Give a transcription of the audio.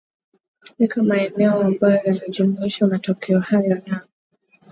ika maeneo ambayo yanajumuishia matokeo hayo na